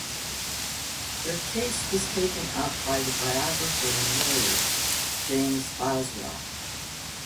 Their case was taken up by the biographer and lawyer, James Boswell.